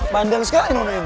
bandel sekali lona ini